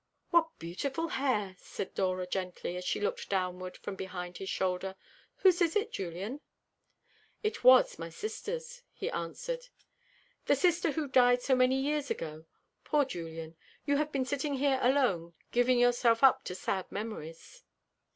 "What beautiful hair!" said Dora gently, as she looked downward from behind his shoulder. "Whose is it, Julian?" "It was my sister's," he answered. "The sister who died so many years ago. Poor Julian! You have been sitting here alone, giving yourself up to sad memories."